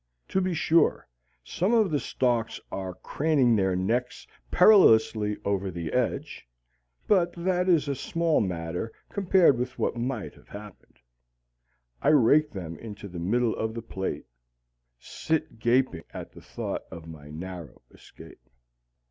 To be sure, some of the stalks are craning their necks perilously over the edge, but that is a small matter compared with what might have happened. I rake them into the middle of the plate, sit gasping at the thought of my narrow escape.